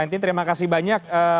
terima kasih banyak